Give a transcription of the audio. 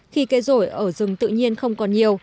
khi cây rổi ở rừng tự nhiên không còn nhiều